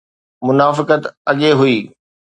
منافقت اڳي هئي.